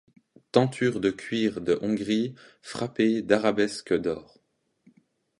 Tentures de cuir de Hongrie frappées d’arabesques d’or.